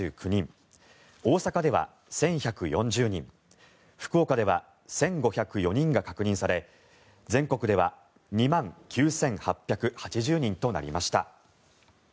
大阪では１１４０人福岡では１５０４人が確認され全国では２万９８８０人となりました。